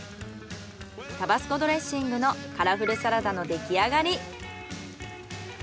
タバスコドレッシングのカラフルサラダのできあがり。